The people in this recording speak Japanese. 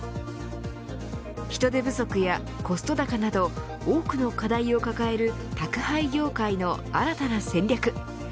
人手不足や、コスト高など多くの課題を抱える宅配業界の新たな戦略。